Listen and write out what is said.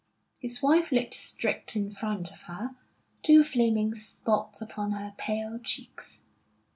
His wife looked straight in front of her, two flaming spots upon her pale cheeks.